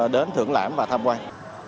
đến thưởng lãm và tham quan